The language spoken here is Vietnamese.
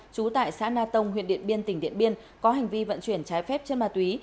trú tại xã na tông huyện điện biên tỉnh điện biên có hành vi vận chuyển trái phép chân ma túy